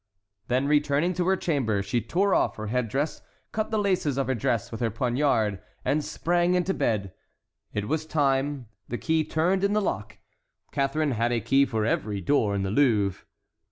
Then returning to her chamber, she tore off her head dress, cut the laces of her dress with her poniard, and sprang into bed. It was time—the key turned in the lock. Catharine had a key for every door in the Louvre.